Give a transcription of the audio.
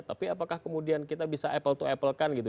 tapi apakah kemudian kita bisa apple to apple kan gitu